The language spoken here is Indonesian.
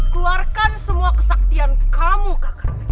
keluarkan semua kesaktian kamu kakak